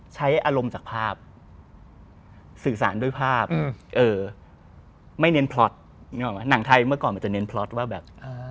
ใช้อารมณ์จากภาพสื่อสารด้วยภาพไม่เน้นพล็อตนึกออกไหมหนังไทยเมื่อก่อนมันจะเน้นพล็อตว่าแบบ